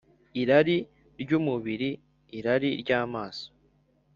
irari ry umubiri irari ry amaso